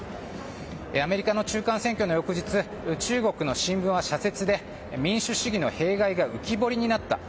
アメリカの中間選挙の翌日中国の新聞は社説で、民主主義の弊害が浮き彫りになった。